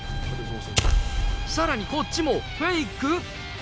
さらにこっちもフェイク？